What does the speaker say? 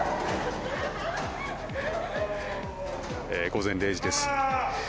午前０時です。